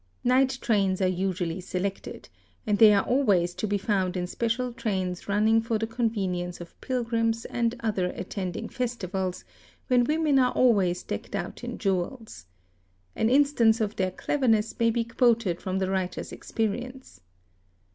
Night trains are usually selected, and they | are always to be found in special trains running for the convenience of ' pilgrims and others attending festivals, when women are always decked out in jewels. An instance of their cleverness may be quoted from the | writer's experience.